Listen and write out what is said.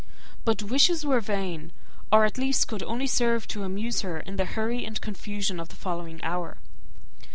But wishes were vain; or, at best, could serve only to amuse her in the hurry and confusion of the following hour.